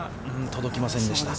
届きませんでした。